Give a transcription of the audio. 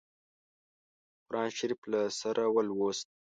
قرآن شریف له سره ولووست.